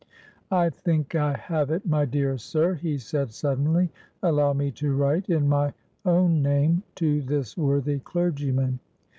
"I think I have it, my dear sir," he said suddenly. "Allow me to write, in my own name, to this worthy clergyman.